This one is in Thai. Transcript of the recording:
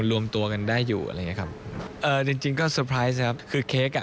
รวมตัวกันได้อยู่อะไรอย่างเงี้ยครับเออจริงก็คือเค้กอ่ะ